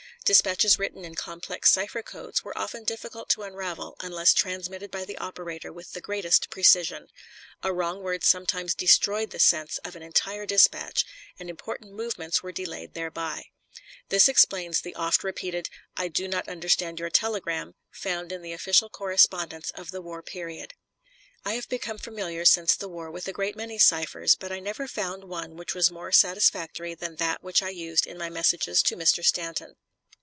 Dispatches written in complex cipher codes were often difficult to unravel, unless transmitted by the operator with the greatest precision. A wrong word sometimes destroyed the sense of an entire dispatch, and important movements were delayed thereby. This explains the oft repeated "I do not understand your telegram" found in the official correspondence of the war period. I have become familiar since the war with a great many ciphers, but I never found one which was more satisfactory than that which I used in my messages to Mr. Stanton.